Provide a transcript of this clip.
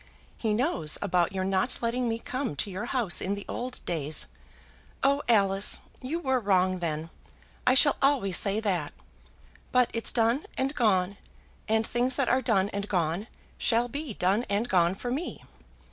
He knows about your not letting me come to your house in the old days. Oh, Alice! you were wrong then; I shall always say that. But it's done and gone; and things that are done and gone shall be done and gone for me.